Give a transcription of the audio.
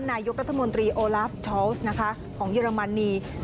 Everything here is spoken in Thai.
นายกรัฐมนตรีโอลาฟทอลส์นะคะของเยอรมนี